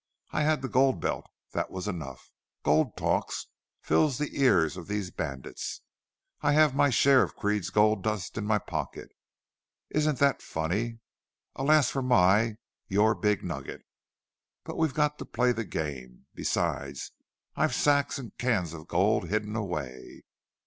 I had the gold belt. That was enough. Gold talks fills the ears of these bandits.... I have my share of Creede's gold dust in my pocket. Isn't that funny? Alas for my YOUR big nugget! But we've got to play the game. Besides, I've sacks and cans of gold hidden away.